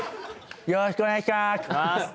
よろしくお願いします